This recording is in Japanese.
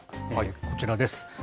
こちらです。